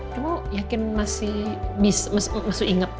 kamu yakin masih inget